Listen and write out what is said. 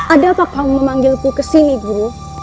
ada apa kamu memanggilku ke sini guru